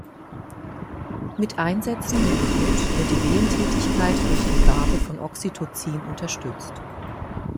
Mit Einsetzen der Geburt wird die Wehentätigkeit durch die Gabe von Oxytocin unterstützt.